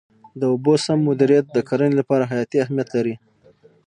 د اوبو سم مدیریت د کرنې لپاره حیاتي اهمیت لري.